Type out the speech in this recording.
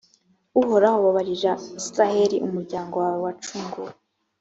uhoraho, babarira israheli umuryango wawe wacunguye,